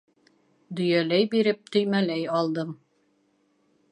Дөйәләй биреп, төймәләй алдым.